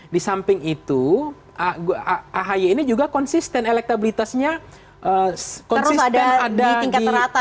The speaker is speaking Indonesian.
di samping itu ahi ini juga konsisten elektabilitasnya konsisten ada di tingkat teratas